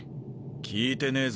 聞いてねぇぞ。